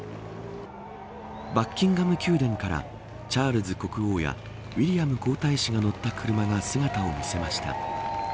バッキンガム宮殿からチャールズ国王やウィリアム皇太子が乗った車が姿を見せました。